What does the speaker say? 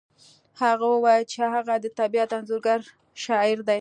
هغې وویل چې هغه د طبیعت انځورګر شاعر دی